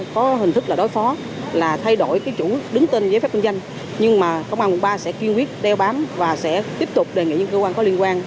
công an quận ba sẽ kiên quyết đeo bám và sẽ tiếp tục đề nghị những cơ quan có liên quan